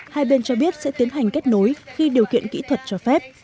hai bên cho biết sẽ tiến hành kết nối khi điều kiện kỹ thuật cho phép